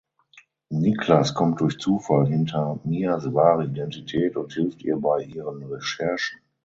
Niklas kommt durch Zufall hinter Mias wahre Identität und hilft ihr bei ihren Recherchen.